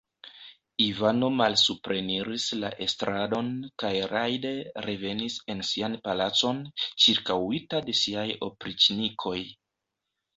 Ivano malsupreniris la estradon kaj rajde revenis en sian palacon, ĉirkaŭita de siaj opriĉnikoj.